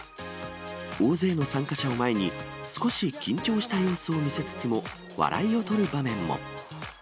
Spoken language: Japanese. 大勢の参加者を前に、少し緊張した様子を見せつつも、笑いを取る場面も。